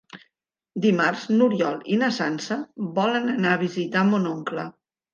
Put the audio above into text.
Dimarts n'Oriol i na Sança volen anar a visitar mon oncle.